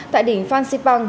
tại đỉnh phan xipang